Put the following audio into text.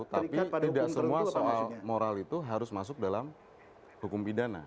tapi tidak semua soal moral itu harus masuk dalam hukum pidana